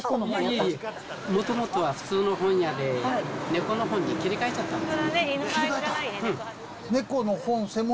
いえいえ、元々は普通の本屋で、猫の本に切り替えちゃったんです。